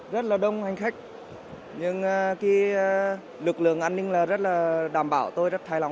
rất là đông hành khách nhưng lực lượng an ninh đảm bảo tôi rất thay lòng